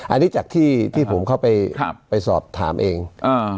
อันนี้จากที่ที่ผมเข้าไปไปสอบถามเอง